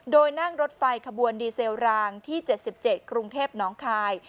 โดยนั่งรถไฟขบวนดีเซลรางที่๗๗กรุงเทพน้องคาย